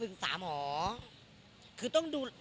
เราทำมันเป็น๓หอ